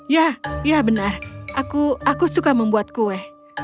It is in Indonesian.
ya ya benar aku suka membuat kue